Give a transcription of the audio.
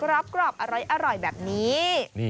รอบกรอบอร่อยแบบนี้